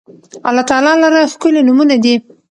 الله تعالی لره ښکلي نومونه دي